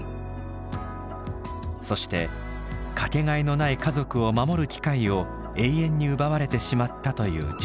そしてかけがえのない家族を守る機会を永遠に奪われてしまったという事実。